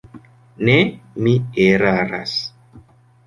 Ne, mi eraras.